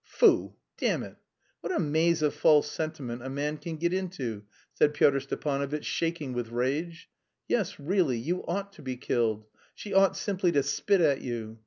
"Foo. Damn it! What a maze of false sentiment a man can get into!" said Pyotr Stepanovitch, shaking with rage. "Yes, really, you ought to be killed! She ought simply to spit at you!